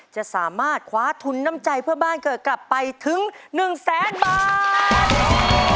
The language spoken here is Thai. จะสามารถคว้าทุนน้ำใจเพื่อบ้านเกิดกลับไปถึง๑แสนบาท